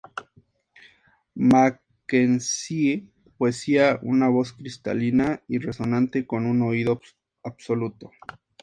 MacKenzie poseía una voz cristalina y resonante, con un oído absoluto.